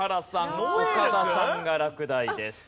岡田さんが落第です。